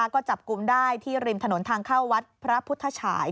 ก็จับกลุ่มได้ที่ริมถนนทางเข้าวัดพระพุทธฉาย